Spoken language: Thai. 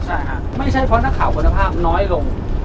ใช่ค่ะไม่ใช่เพราะนักข่าวคุณภาพน้อยลง